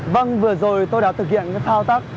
vâng vừa rồi tôi đã thực hiện cái thao tác